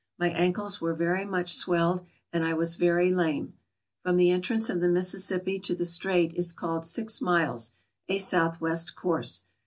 My ankles were very much swelled, and I was very lame. From the entrance of the Mississippi to the strait is called six miles — a southwest course.